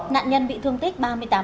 nạn nhân bị thương tích ba mươi tám